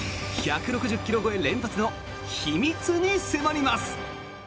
１６０ｋｍ超え連発の秘密に迫ります。